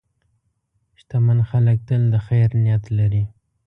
شتمن خلک تل د خیر نیت لري.